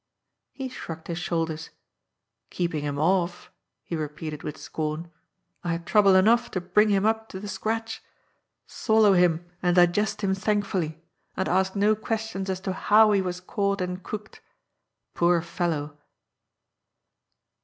He shrugged his shoulders :" Keeping him off !" he re peated with scorn. ^^ I had trouble enough to bring him up to the scratch. Swallow him, and digest him thank fully, and ask no questions as to how he was caught and cooked. Poor fellow